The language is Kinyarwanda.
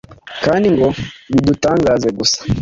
kandi ngo bidutangaze gusa,